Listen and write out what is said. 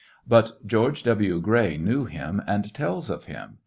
But George W. Gray knew him and tells of him.